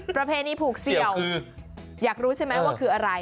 ประเพณีผูกเสี่ยวอยากรู้ใช่ไหมว่าคืออะไร